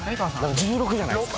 １６じゃないっすか。